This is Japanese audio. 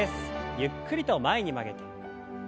ゆっくりと前に曲げて。